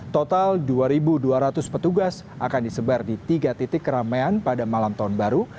total dua dua ratus petugas akan disebar di tiga titik keramaian pada malam tahun baru